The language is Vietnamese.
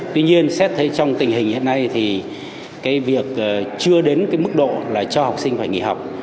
tuy nhiên xét thấy trong tình hình hiện nay thì cái việc chưa đến cái mức độ là cho học sinh phải nghỉ học